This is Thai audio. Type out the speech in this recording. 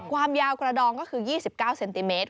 ความยาวกระดองก็คือ๒๙เซนติเมตร